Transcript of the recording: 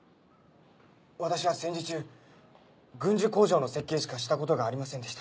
私は戦時中軍需工場の設計しかした事がありませんでした。